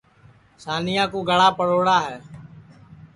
سانیا کُو گڑا پڑوڑا ہے